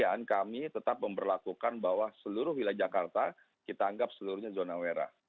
jadi kami tetap memperlakukan bahwa seluruh wilayah jakarta kita anggap seluruhnya zona merah